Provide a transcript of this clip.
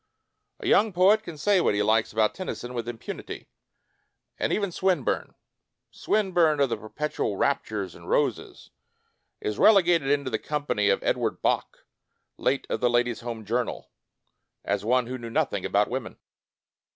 A young poet can say what he likes about Tennyson with impunity. And even Swinburne — Swinburne of the per petual raptures and roses — is rele gated into the company of Edward Bok, late of "The Ladies' Home Jour nal", as one who knew nothing about women.